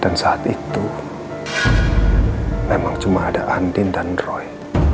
dan saat itu memang cuma ada andin dan roy